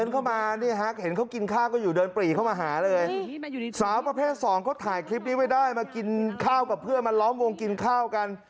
พวกหนูก็งงเหมือนกัน